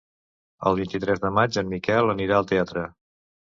El vint-i-tres de maig en Miquel anirà al teatre.